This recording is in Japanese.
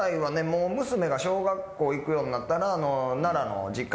もう娘が小学校行くようになったら。